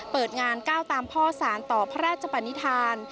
เปิดงานก้าวตามพ่อสารต่อพระราชปนิษฐาน